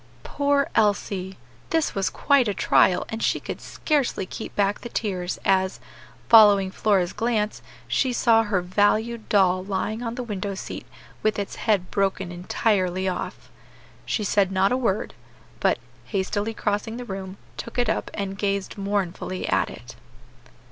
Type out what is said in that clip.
Poor Elsie! this was quite a trial, and she could scarcely keep back the tears as, following Flora's glance, she saw her valued doll lying on the window seat with its head broken entirely off. She said not a word, but, hastily crossing the room, took it up and gazed mournfully at it.